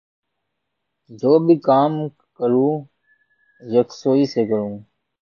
جو بھی کام کرو یکسوئی سے کرو